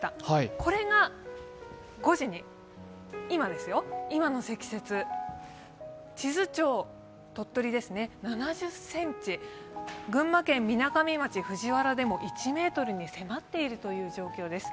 これが５時、今の積雪、鳥取県智頭町、７０ｃｍ、群馬県みなかみ町藤原でも１ｍに迫っているという状況です。